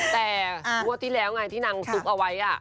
แต่งวดที่แล้วไงที่นางซุกเอาไว้